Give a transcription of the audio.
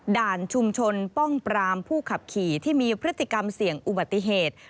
ด่านชุมชนป้องปรามผู้ขับขี่ที่มีพฤติกรรมเสี่ยงอุบัติเหตุ